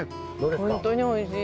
本当においしい。